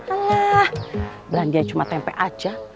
alah belandian cuma tempe aja